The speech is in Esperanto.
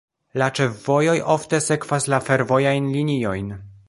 La ĉefvojoj ofte sekvas la fervojajn liniojn.